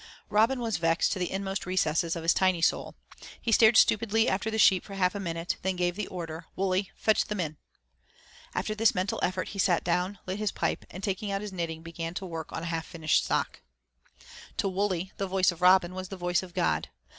Robin was vexed to the inmost recesses of his tiny soul. He stared stupidly after the sheep for half a minute, then gave the order, "Wully, fetch them in." After this mental effort he sat down, lit his pipe, and taking out his knitting began work on a half finished sock. To Wully the voice of Robin was the voice of God.